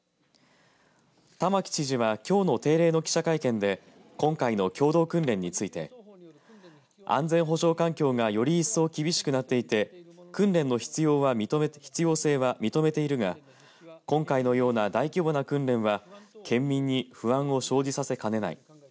玉城知事はきょうの定例の記者会見で今回の共同訓練について安全保障環境がより一層厳しくなっていて訓練の必要性は認めているが今回のような大規模な訓練は県民に不安を生じさせかねない。